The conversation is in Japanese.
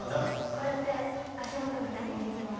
こうやって足元確認できます。